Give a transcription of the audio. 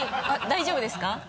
あっ大丈夫ですか？